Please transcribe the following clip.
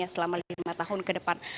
selama lima tahun ke depan